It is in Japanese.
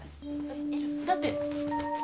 えっ？だって。